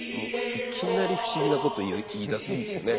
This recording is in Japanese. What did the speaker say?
いきなり不思議なこと言いだすんですよね。